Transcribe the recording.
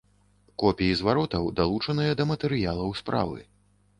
Копіі зваротаў далучаныя да матэрыялаў справы.